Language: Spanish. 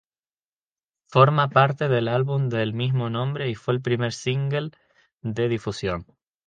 Forma parte del álbum del mismo nombre y fue el primer single de difusión.